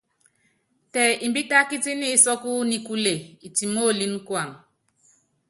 Tɛ imbítákítíní isɔ́kú nikúle itimoolíni kuam.